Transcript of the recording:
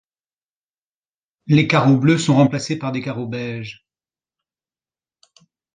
Les carreaux bleus sont remplacés par des carreaux beiges.